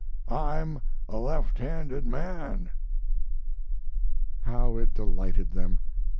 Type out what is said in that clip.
'I'm a left handed man.'" How it delighted them!